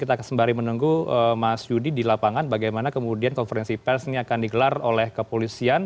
kita akan sembari menunggu mas yudi di lapangan bagaimana kemudian konferensi pers ini akan digelar oleh kepolisian